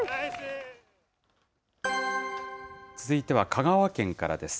続いては香川県からです。